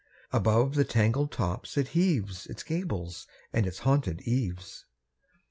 Above the tangled tops it heaves Its gables and its haunted eaves. 2.